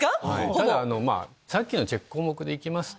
たださっきのチェック項目で行きますと。